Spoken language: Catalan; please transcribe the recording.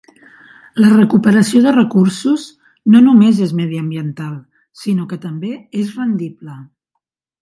La recuperació de recursos no només és mediambiental, sinó que també és rendible.